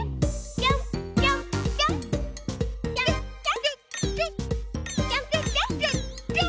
ぴょんぴょんぴょん！